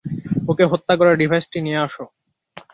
ওকে হত্যা করে ডিভাইসটি নিয়ে আস।